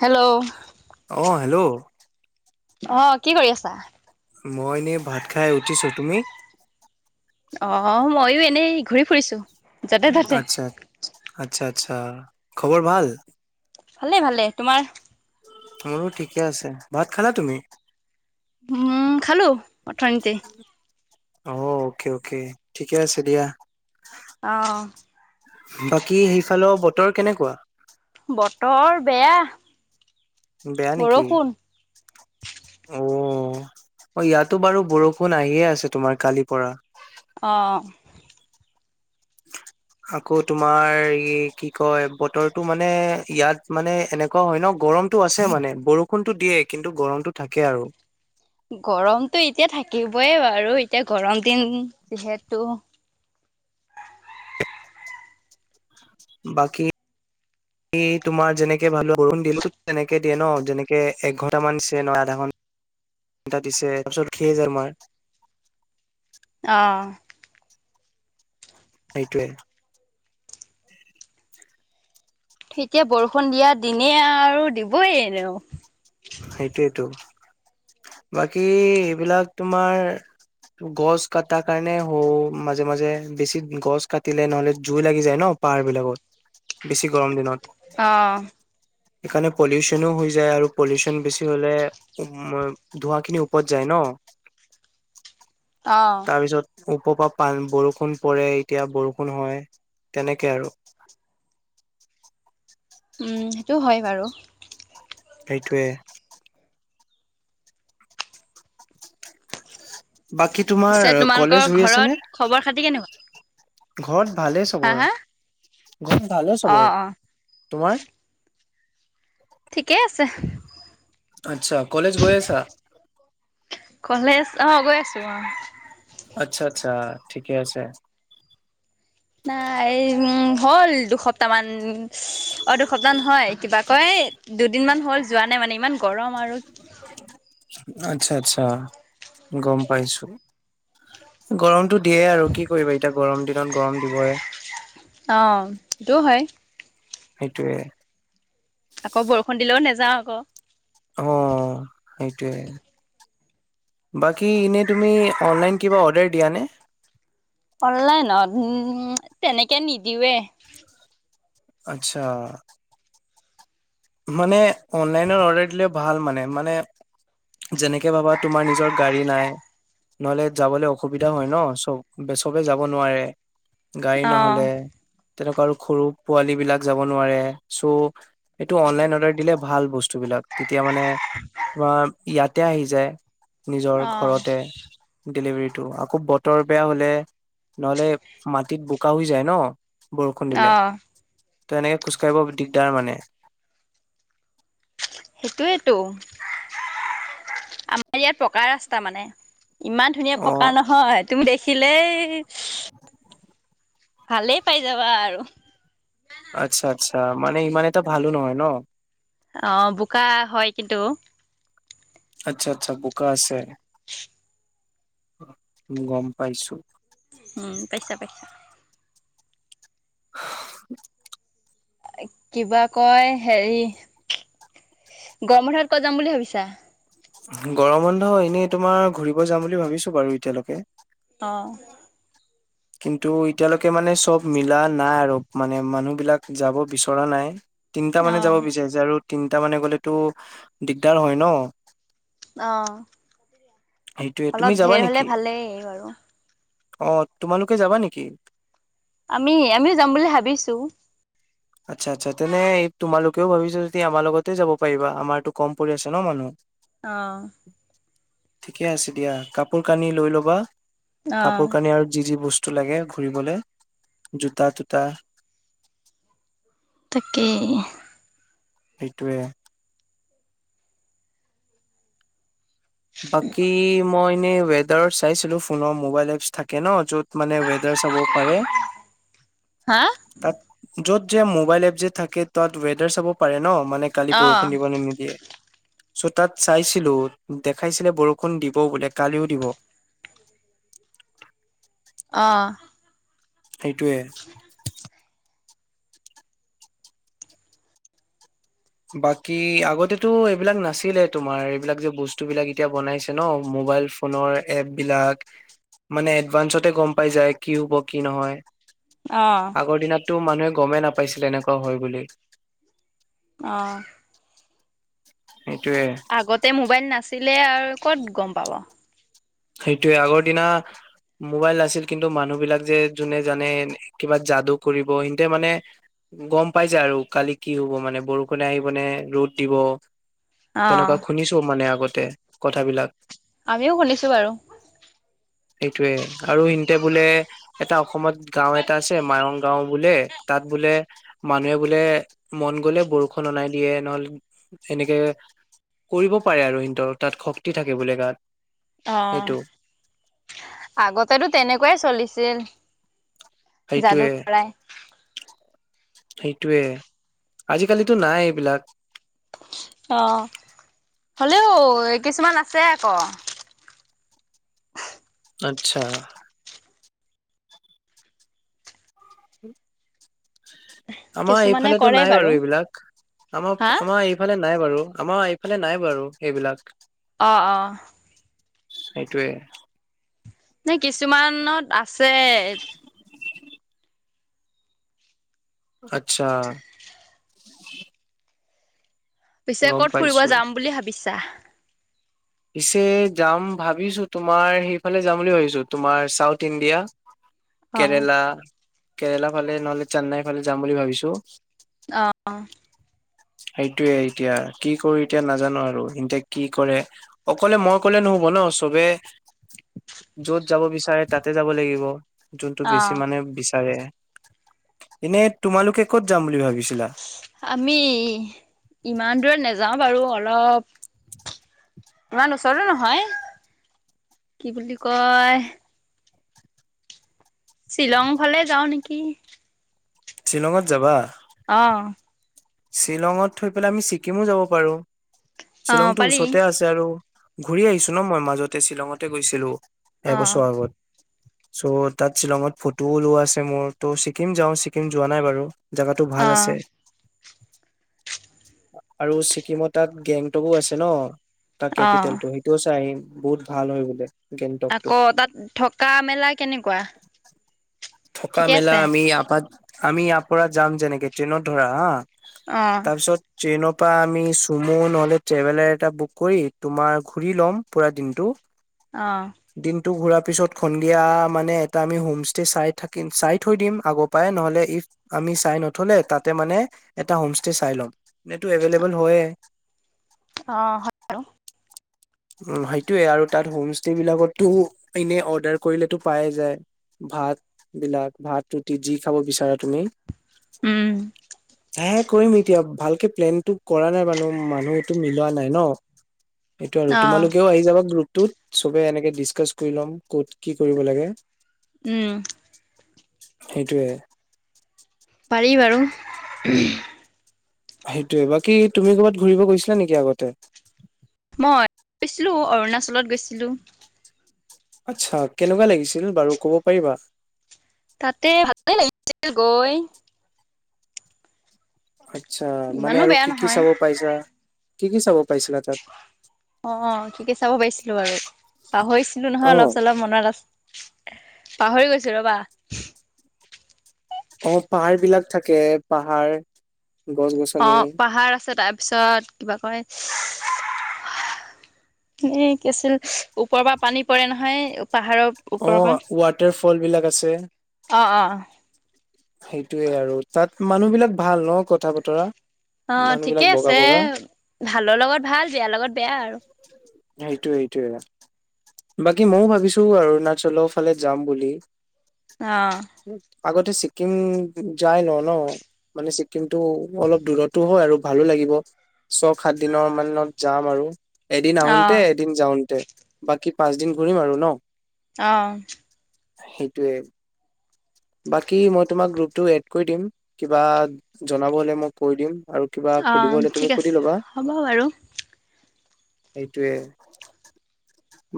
Hello? অ hello? অ, কি কৰি আছা? মই এনে ভাত খাই উঠিছো, তুমি? অ', ময়ো এনেই ঘূৰি ফুৰিছো। য'তে ত'তে। আচ্ছা, আচ্ছা, আচ্ছা, খবৰ ভাল? ভালেই, ভালেই, তোমাৰ? মোৰো ঠিকে আছে, ভাত খালা তুমি? উম, খালোঁ অথনিতে। অ', অ'কে অ'কে ঠিকে আছে দিয়া। অ'। বাকী সেইফালৰ বতৰ কেনেকুৱা? বতৰ বেয়া। বেয়া নেকি? বৰষুণ। উম। অ', ইয়াতো বাৰু বৰষুণ আহিয়ে আছে তোমাৰ কালিৰ পৰা। অহ। [inaudible] আকৌ তোমাৰ এই কি কয় বতৰটো মানে ইয়াত মানে এনে ক' হয় ন' গৰমটো আছে মানে বৰষুণটো দিয়ে কিন্তু গৰমটো থাকে আৰু। গৰমটো এতিয়া থাকিবই বাৰু এতিয়া গৰম দিন যিহেতু। বাকী কি তোমাৰ যেনেকে মানে বৰষুণ দিলেতো তেনেকে দিয়ে ন যেনেকে এক ঘণ্টা ণ্টামান দিছে নহয় আধা ঘণ্টা দিছে তাৰপিছত ৰখি যায় তোমাৰ তা অ'। সেইটোৱে। এতিয়া বৰষুণ দিয়া দিনে আৰু দিবই এনেও। সেইটোৱেটো বাকী এইবিলাক তোমাৰ গছ কাটাৰ কাৰণে হ'ল মাজে মাজে বেছি গছ কাটিলে নহ'লে জুই লাগি যায় ন'। পাৰবিলাকত বেছি গৰম দিনত। অ'। সেইকাৰণে পলিউচনো হৈ যায় আৰু। পলিউচন বেছি হ'লে উম, ধোঁৱাখিনি ওপৰত যায় ন। অ'। তাৰপিছত ওপৰ পৰা পা বৰষুণ পৰে এতিয়া বৰষুণ হয় তেনেকে আৰু। উম, সেইটো হয় বাৰু। সেইটোৱে। বাকী তোমাৰ পিছে তোমালোকৰ কলেজ হৈ আছে ঘৰত নে? খবৰ খাতি কেনেকুৱা? ঘৰত ভালে হা চবৰে, হা? ঘৰত ভালে অ চবৰে, অ তোমাৰ? ঠিকে আছে। আচ্ছা, কলেজ গৈ আছা? কলেজ অ', গৈ আছোঁ অ'। আচ্ছা, আচ্ছা, ঠিকে আছে। নাই এই উম, হ'ল দুসপ্তাহ মান। অ', দুসপ্তাহ নহয় কিবা কয় দুদিনমান হ'ল যোৱা নাই মানে ইমান গৰম আৰু। আচ্ছা, আচ্ছা, গম পাইছোঁ গৰমটো দিয়ে আৰু কি কৰিবা এতিয়া গৰম দিনত গৰম দিবই। অ', সেইটোও হয়। সেইটোৱে। আকৌ বৰষুণ দিলেও নেযাওঁ আকৌ। অ সেইটোৱে। বাকী এনেই তুমি অনলাইন কিবা অৰ্ডাৰ দিয়া নে? অনলাইনত উম তেনেকে নিদিওঁৱে। আচ্ছা। মানে অনলাইনত অৰ্ডাৰ দিলে ভাল মানে মানে যেনেকে ভাবা তোমাৰ নিজৰ গাড়ী নাই নহলে যাবলৈ অসুবিধা হয় ন চব চবে যাব নোৱাৰে গাড়ী অ নহলে তেনেকুৱা আৰু সৰু পোৱালী বিলাক যাব নোৱাৰে চ' এইটো অনলাইন অৰ্ডাৰ দিলে ভাল বস্তু বিলাক তেতিয়া মানে তোমাৰ ইয়াতে আহি যায়। নিজৰ অ ঘৰতে। ডেলিভাৰীটো আকৌ বতৰ বেয়া হলে নহ'লে মাটিত বোকা হৈ যায় ন বৰষুণ অ দিলে ত এনেকে খোজ কাঢ়িব দিগদাৰ মানে। সেইটোয়েটো আমাৰ ইয়াত পকা ৰাস্তা মানে। ইমান ধুনীয়া অ পকা নহয় তুমি দেখিলেই ভালেই পাই যাবা আৰু। আচ্ছা আচ্ছা। মানে ইমান এটা ভালো নহয় ন? অ' বোকা হয় কিন্তু। আচ্ছা আচ্ছা বোকা আছে। গম পাইছো। উম পাইছা পাইছা। [inaudible] কিবা কয় হেৰি গৰম বন্ধত কত যাম বুলি ভাবিছা? গৰম অন্ধ এনেই তোমাৰ ঘুৰিব যাম বুলি ভাবিছো বাৰু এতিয়ালৈকে অ'। কিন্তু এতিয়ালৈকে মানে চব মিলা নাই আৰু মানে মানুহ বিলাক যাব বিচৰা নাই। তিনিটা মানে যাব অ', বিচাৰিছে আৰু তিনটা মানে গলেতো দিগদাৰ হয় ন। অঁ, সেইটোয়ে তুমি অলপ যাবা ধেৰ নেকি? হলে ভালেই বাৰু। অ' তোমালোকে যাবা নেকি? আমি আমিও যাম বুলি ভাবিছো। আচ্ছা আচ্ছা। তেনে এই তোমালোকেও ভাবিছো যদি আমাৰ লগতে যাব পাৰিবা আমাৰতো কম পৰি আছে ন মানুহ অহ ঠিকে আছে দিয়া, কাপোৰ কানি লৈ ল'বা অ'। কাপোৰ কানি আৰু যি যি ব স্তু লাগে ঘূৰিবলে জোতা তোতা তাকেই। সেইটোৱে বাকী মই এনেই ৱেডাৰ চাইছিলো ফোনৰ মোবাইল এপছ থাকে ন য'ত মানে ৱেডাৰ চাব পাৰে হাঁ? তাত য'ত যে মোবাইল এপ যে থাকে তাত ৱেডাৰ চাব পাৰে ন মানে কালি বৰষুণ অ'। দিব নে নিদিয়ে চ' তাত চাইছিলো দেখাইছিলে বৰষুণ দিব বোলে কালিও দিব। অহ। সেইটোৱে। [inaudible] বাকী আগতেতো এইবিলাক নাছিলে তোমাৰ এইবিলাক যে বস্তু বিলাক এতিয়া বনাইছে ন মোবাইল ফোনৰ এপ বিলাক মানে এডভানঞ্চতে গম পাই যায় কি হ'ব কি নহয় অহ আগৰ দিনততো মানুহে গমেই নাপাইছিল এনেকুৱা হয় বুলি অ' সেইটোৱে আগতে মোবাইল নাছিলে আৰু ক'ত গম পাব সেইটোয়ে আগৰ দিনা মোবাইল নাছিল কিন্তু মানুহ বিলাক যে যোনে জানে কিবা যাদু কৰিব সিঁহতে মানে গম পাই যায় আৰু কালি কি হ'ব মানে বৰষুণে আহিব নে ৰ'দ দিব অ', তেনেকুৱা শুনিছো মানে আগতে কথাবিলাক আমিও শুনিছো বাৰু সেইটোয়ে আৰু ইহতে বোলে এটা অসমত গাও এটা আছে মায়ৰং গাও বোলে তাত বোলে মানুহে বোলে মন গলে বৰষুণ অনাই দিয়ে নহল এনেকে কৰিব পাৰে আৰু সিহতৰ তাত শক্তি থাকে বোলে গাত। অ', সেইটো আগতেতো তেনেকুৱাই চলিছিল। যাদু সেইটোৱে। কৰাই। সেইটোৱে আজিকালিতো নাই এইবিলাক। অ', হলেও কিছুমান আছে আক। আচ্ছা। [unintelligible] আমাৰ কিছুমানে এইফালেতো কৰে নাই বাৰু এইবিলাক হা? আমাৰ আমাৰ এই ফালে নাই বাৰু আমাৰ এইফালে নাই বাৰু সেইবিলাক। অ', অ' সেইটোৱে। নাই কিছুমানত আছে। আচ্ছা। পিছে গম ক'ত ফুৰিব পাইছো। যাম বুলি ভাবিছা? পিছে যাম ভাবিছো তোমাৰ সেইফালে যাম বুলি ভাবিছো তোমাৰ চাউথ ইণ্ডিয়া। [inaudible] কেৰেলা কেৰেলা ফালে নহ'লে চেন্নাইৰ ফালে যাম বুলি ভাবিছো। অ'। সেইটোয়ে এতিয়া কি কৰো এতিয়া নাজানো আৰু এতিয়া কি কৰে। অকলে মই কলে নহ'ব ন চবে য'ত যাব বিচাৰে তাতে যাব লাগিব। যোনটো বেছি অ', মানে বিচাৰে এনে তোমালোকে কত যাম বুলি ভাবিছিলা? আমি ইমান দূৰে নাযাওঁ বাৰু অলপ ইমান ওচৰতো নহয় কি বুলি কয় শ্বিলং ফালে যাওঁ নেকি। শ্বিলঙত যাবা? অ'। শ্বিলঙত থৈ পেলাই আমি ছিকিমো যাব পাৰো অ', শ্বিলংটো পাৰি। ওচৰতে আছে আৰু। ঘূৰি আহিছো ন মই মাজতে শ্বিলঙতে গৈছিলো অ', এবছৰ আগত। চ' তাত শ্বিলঙত ফটোও লোৱা আছে মোৰ ত' ছিককিম যাওঁ ছিকিম যোৱা নাই বাৰু। জেগাতো ভাল আছে। অ', আৰু ছিকিমত তাত গেংটকো আছে ন তাৰ অ', কেপিটেলটো। টো চাই আহিম বহুত ভাল হয় বোলে। আক গেংটকটো তাত থকা মেলা কেনেকুৱা? থকা ঠিকে মেলা আছে? আমি আপাত আমি ইয়াৰ পৰা যাম যেনেকে ট্ৰেইনত ধৰা হা। অ। ছত ট্ৰেইনৰ পৰা আমি চুমু নহলে ট্ৰেভেলাৰ এটা বুক কৰি তোমাৰ ঘুৰি ল'ম পুৰা দিনটো। অ। দিনটো ঘুৰা পিছত সন্ধিয়া মানে এটা আমি হোম ষ্টে চাই থাকিম চাই থৈ দিম আগপ পাই নহলে ই আমি চাই নথলে তাতে মানে এটা হোম ষ্টে চাই ল'ম নে টো এভেইলেবল হয়ে। অ। বাৰু। উম, সেইটোয়ে আৰু তাত হোম ষ্টে বিলাকতো এনে অৰ্ডাৰ কৰিলেটো পায়ে যায়। ভাতবিলাক ভাত ৰুটি যি খাব বিচাৰা তুমি। উম, ধেত। কৰিম এতিয়া ভালকে প্লেনটো কৰা নাই বানু মানুহ এইটো মিলোৱা নাই ন। টো আৰু অ', তোমালোকেও আহি যাবা গ্ৰুপটোত চবে এনেকে ডিচকাচ কৰি ল'ম ক'ত কি কৰিব লাগে। উম। সেইটোয়ে। পাৰি বাৰু। সেইটোৱে, বাকী তুমি ক'ৰবাত ঘূৰিব গৈছিলা নেকি আগতে? মই গৈছিলো, অৰুণাচলত গৈছিলো। আচ্ছা, কেনেকুৱা লাগিছিল বাৰু ক'ব পাৰিবা? তাতে ভাল লাগিছিলে গৈ। আচ্ছা, মানে ইমানো আৰু বেয়া কি কি নহয় চাব পাইছা, কি কি চাব পাইছিলা তাত? অ, কি কি চাব পাৰিছিলো বাৰু, পাহৰিছিলো নহয় অ', অলপ চলপ মনত আ পাহৰি গৈছো ৰ'বা। অ পাহাৰবিলাক থাকে পাহাৰ। গছ গছ। অ পাহাৰ আছে তাৰপিছত, কিবা কয় এ কি আছিল, ওপৰৰ পৰা পানী পৰে নহয় পাহাৰৰ অ ওপৰৰ পৰা ৱাটাৰ ফলবিলাক আছে। অ, অ। সেইটোৱে আৰু তাত মানুহবিলাক ভাল ন কথা বতৰা। অ মানুহ বিলাক ঠিকে বগা আছে বগা ভালৰ লগত ভাল বেয়াৰ লগত বেয়া আৰু। সেইটোৱে সেইটোৱে। বাকী মইও ভাবিছো অৰুণাচলৰ ফালে যাম বুলি। অ আগতে ছি ক্কিম যায় লওঁ ন মানে ছিক্কিমতটো অলপ দূৰতো হয় আৰু ভালো লাগিব। ছয় সাত দিনৰ মানত যাম আৰু। এদিন অ আহোঁতে এদিন যাওঁতে বাকী পাঁচ দিন ঘূৰিম আৰু ন? অ। সেইটোৱে। বাকী মই তোমাক গ্ৰুপটো এড কৰি দিম, কিবা জনাব হ'লে মই কৈ দিম। আৰু কিবা অ সুধিব হ'লে ঠিক তুমি আছে সুধি ল'বা। হ'ব বাৰু সেইটোৱে।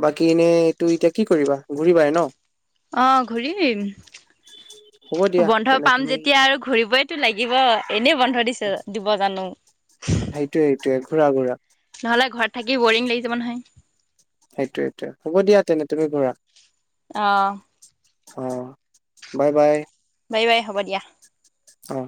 বাকী এনে, এইটো এতিয়া কি কৰিবা, ঘূৰিবাই ন'? অ'! ঘূৰিম। হ'ব দিয়া বন্ধ তেনে পাম তুমি যেতিয়া আৰু ঘূৰিবই টো লাগিব। এনেই বন্ধ দিছে, দিব জানোঁ। সেইটোৱে-সেইটোৱে, ঘূৰা-ঘূৰা। নহ'লে, ঘৰত থাকি বৰিং লাগি যাব, নহয়। সেইটোৱে-সেইটোৱে, হ'ব দিয়া তেনে, তুমি ঘূৰা। অ'! অ'! বাই-বাই। বাই-বাই, হ'ব দিয়া। অ'!